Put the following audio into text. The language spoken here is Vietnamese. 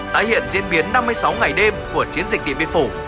tái hiện diễn biến năm mươi sáu ngày đêm của chiến dịch điện biên phủ